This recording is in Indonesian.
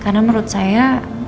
karena menurut saya